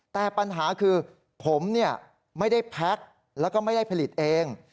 แต่ปัญหาคือผมไม่ได้แพ็คแล้วก็ไม่ได้ผลิตเอง